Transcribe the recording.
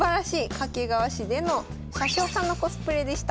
掛川市での車掌さんのコスプレでした。